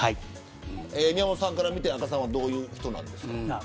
宮本さんから見て阿嘉さんはどういう人ですか。